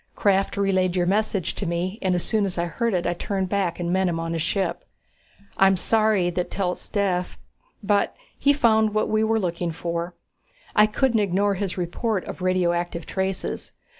Krafft relayed your message to me and as soon as I heard it I turned back and met him on his ship. I'm sorry that Telt's dead but he found what we were looking for. I couldn't ignore his report of radioactive traces.